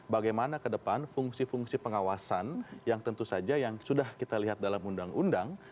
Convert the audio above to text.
bagaimana ke depan fungsi fungsi pengawasan yang tentu saja yang sudah kita lihat dalam undang undang